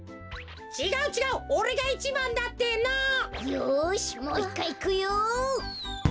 よしもう１かいいくよ！